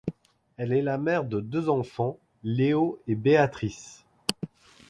Elle est la mère de deux enfants Léo et Béatrice.